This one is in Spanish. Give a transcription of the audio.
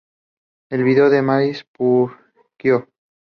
El vídeo de "Mais Pourquoi?